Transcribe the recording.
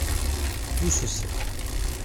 Tout se sait.